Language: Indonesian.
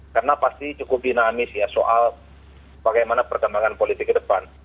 karena pasti cukup dinamis ya soal bagaimana perkembangan politik ke depan